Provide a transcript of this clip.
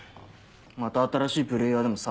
また新しいプレーヤーでも探すか。